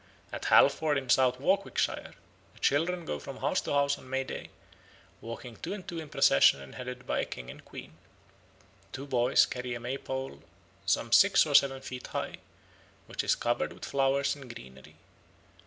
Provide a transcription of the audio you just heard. At Halford in South Warwickshire the children go from house to house on May Day, walking two and two in procession and headed by a King and Queen. Two boys carry a May pole some six or seven feet high, which is covered with flowers and greenery.